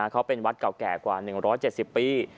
เขาเป็นวัดเก่าแก่กว่า๑๗๐ปี